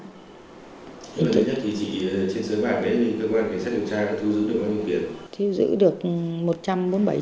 lần thứ nhất thì chị trên sới bạc ấy cơ quan kiểm soát điều tra thu giữ được bao nhiêu tiền